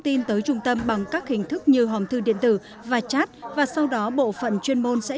tin tới trung tâm bằng các hình thức như hòm thư điện tử và chat và sau đó bộ phận chuyên môn sẽ